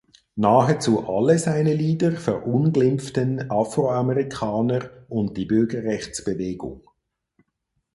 Nahezu alle seine Lieder verunglimpften Afroamerikaner und die Bürgerrechtsbewegung.